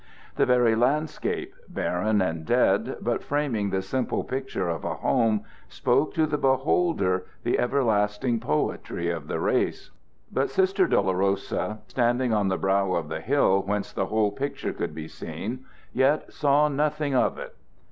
The very landscape, barren and dead, but framing the simple picture of a home, spoke to the beholder the everlasting poetry of the race. But Sister Dolorosa, standing on the brow of the hill whence the whole picture could be seen, yet saw nothing of it.